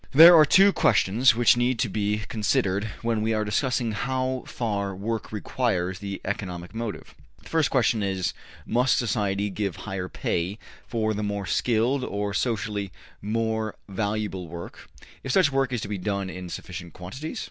There are two questions which need to be considered when we are discussing how far work requires the economic motive. The first question is: Must society give higher pay for the more skilled or socially more valuable work, if such work is to be done in sufficient quantities?